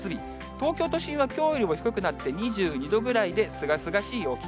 東京都心はきょうよりも低くなって、２２度くらいですがすがしい陽気。